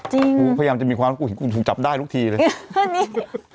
กูพยายามจะมีความลับกูจับได้ทุกทีเลย